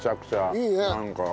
いいね。